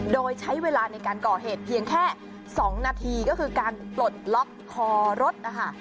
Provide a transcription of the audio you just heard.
โดยใช้เวลาในการก่อเหตุเพียงแค่๒นาทีก็คือการปลดล็อกคอรถนะคะ